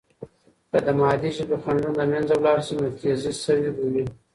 که د مادی ژبې خنډونه له منځه ولاړ سي، نو تیزي سوې به وي.